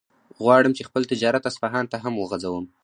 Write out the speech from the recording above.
غواړم چې خپل تجارت اصفهان ته هم وغځوم.